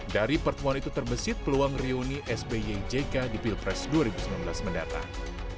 dari pertemuan itu terbesit peluang reuni sby jk di pilpres dua ribu sembilan belas mendatang